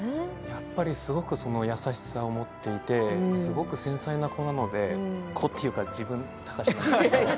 やっぱり、すごく優しさを持っていてすごく繊細な子なので子っていうか自分、貴司なんですけど。